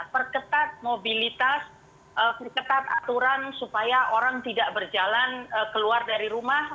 perketat mobilitas perketat aturan supaya orang tidak berjalan keluar dari rumah